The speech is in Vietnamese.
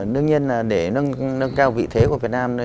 đương nhiên là để nâng cao vị thế của việt nam